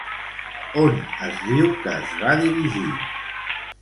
On es diu que es va dirigir?